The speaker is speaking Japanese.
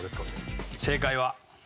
正解は。